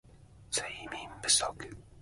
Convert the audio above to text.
睡眠不足